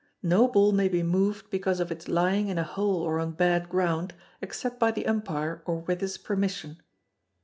No ball may be moved because of its lying in a hole or on bad ground, except by the umpire or with his permission.